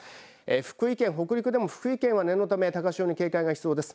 福井県、北陸でも福井県は念のため高潮に警戒が必要です。